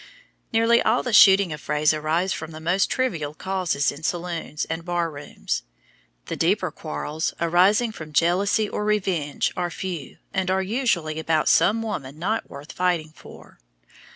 Nearly all the shooting affrays arise from the most trivial causes in saloons and bar rooms. The deeper quarrels, arising from jealousy or revenge, are few, and are usually about some woman not worth fighting for.